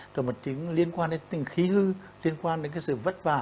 rồi liên quan đến tình khí hư liên quan đến cái sự vất vả